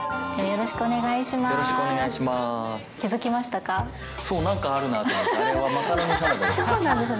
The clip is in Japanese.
よろしくお願いします。